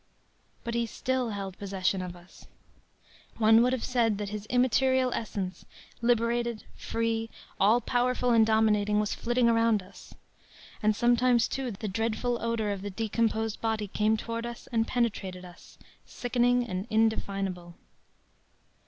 “But he still held possession of us. One would have said that his immaterial essence, liberated, free, all powerful and dominating, was flitting around us. And sometimes, too, the dreadful odor of the decomposed body came toward us and penetrated us, sickening and indefinable.